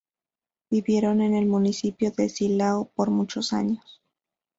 Vivieron en el municipio de Silao por muchos años.